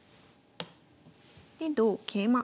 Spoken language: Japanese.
で同桂馬。